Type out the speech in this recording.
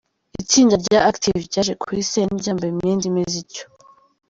Itsinda rya Active ryaje kuri scene ryambaye imyenda imeze ityo.